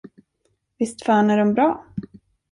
Visst fan är dom bra!